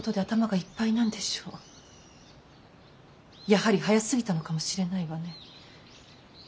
やはり早すぎたのかもしれないわね。